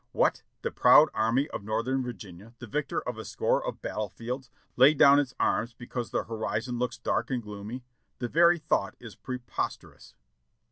What! The proud Army of Northern Virginia, the victor of a score of THE PEACE CONFERENCE 637 battle fields ! lay down its arms because the horizon looks dark and gloomy? The very thought is preposterous."